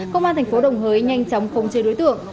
công an tp đồng hới nhanh chóng khống chế đối tượng